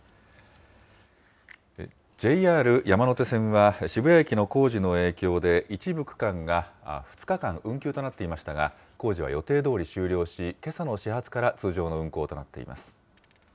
ＪＲ山手線は渋谷駅の工事の影響で、一部区間が２日間、運休となっていましたが、工事は予定どおり終了し、けさの始発から通常の運行となっています。